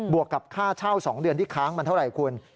วกกับค่าเช่า๒เดือนที่ค้างมันเท่าไหร่คุณ